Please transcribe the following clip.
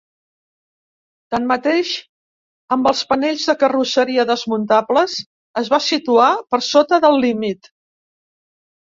Tanmateix, amb els panells de carrosseria desmuntables es va situar per sota del límit.